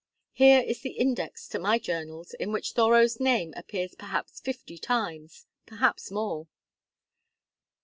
Here is the Index to my Journals, in which Thoreau's name appears perhaps fifty times, perhaps more.'"